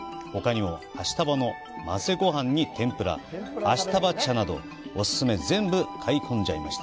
ほかにも、明日葉の混ぜごはんに天ぷら、明日葉茶など、オススメ全部、買い込んじゃいました。